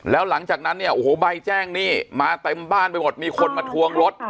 แล้วหลังจากนั้นเนี่ยโอ้โหใบแจ้งหนี้มาเต็มบ้านไปหมดมีคนมาทวงรถ